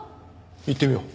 行ってみよう。